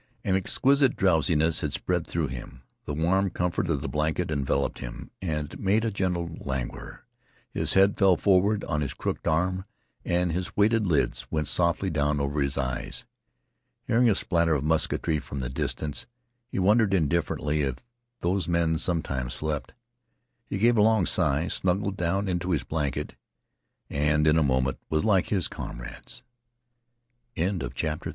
An exquisite drowsiness had spread through him. The warm comfort of the blanket enveloped him and made a gentle languor. His head fell forward on his crooked arm and his weighted lids went softly down over his eyes. Hearing a splatter of musketry from the distance, he wondered indifferently if those men sometimes slept. He gave a long sigh, snuggled down into his blanket, and in a moment was like his comrades. CHAPTER XIV.